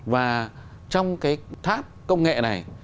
và trong cái tháp công nghệ này